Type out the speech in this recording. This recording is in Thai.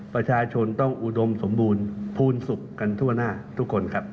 ประชาชนต้องอุดมสมบูรณ์ภูมิสุขกันทั่วหน้าทุกคนครับ